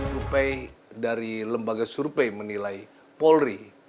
surpei dari lembaga surpei menilai polri